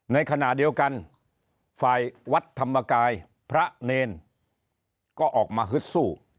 ในขณะเดียวกันฝ่ายวัดธรรมกายพระเนรก็ออกมาฮึดสู้